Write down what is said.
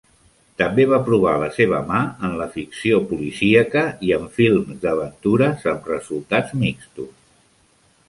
També va provar la seva mà en la ficció policíaca i en films d'aventures, amb resultats mixtos.